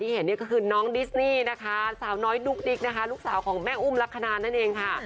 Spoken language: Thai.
เห็นนี่ก็คือน้องดิสนี่นะคะสาวน้อยดุ๊กดิ๊กนะคะลูกสาวของแม่อุ้มลักษณะนั่นเองค่ะ